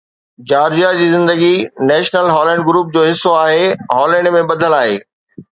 Georgia جي زندگي national Holland group جو حصو آهي هالينڊ ۾ ٻڌل آهي